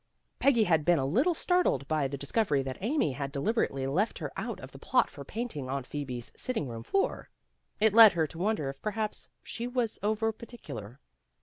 Peggy had been a little startled by the discovery that Amy had delib erately left her out of the plot for painting Aunt Phosbe's sitting room floor. It led her to wonder if perhaps she was over particular.